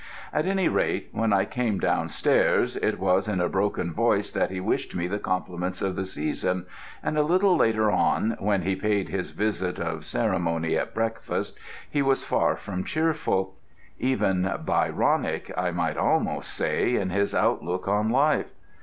At any rate, when I came downstairs, it was in a broken voice that he wished me the compliments of the season, and a little later on, when he paid his visit of ceremony at breakfast, he was far from cheerful: even Byronic, I might almost say, in his outlook on life.